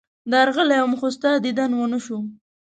درغلی وم، خو ستا دیدن ونه شو.